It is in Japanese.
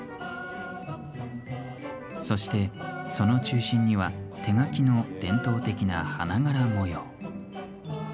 そして、その中心には手描きの伝統的な花柄模様。